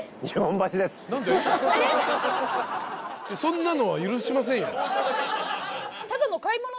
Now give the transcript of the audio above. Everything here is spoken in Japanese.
そんなのは許しませんよ。